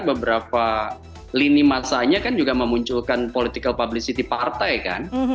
beberapa lini masanya kan juga memunculkan political publicity partai kan